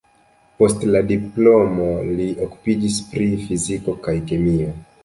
Post la diplomo li okupiĝis pri fiziko kaj kemio.